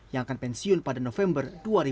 yang akan pensiun pada november dua ribu dua puluh